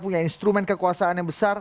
punya instrumen kekuasaan yang besar